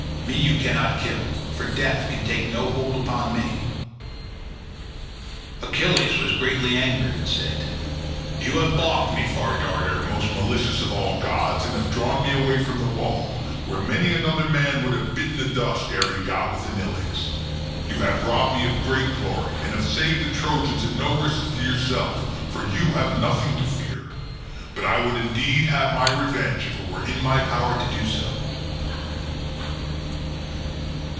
Me you cannot kill, for death can take no hold upon me." Achilles was greatly angered and said, "You have baulked me, Far Darter, most malicious of all gods, and have drawn me away from the wall, where many another man would have bitten the dust ere he got within Ilius; you have robbed me of great glory and have saved the Trojans at no risk to yourself, for you have nothing to fear, but I would indeed have my revenge if it were in my power to do so."